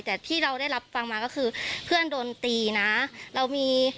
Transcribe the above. แต่ที่เราได้รับฟังมาก็คือเพื่อนโดนตีนะเรามี